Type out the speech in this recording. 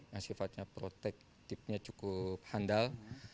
yang sifatnya protektifnya cukup handal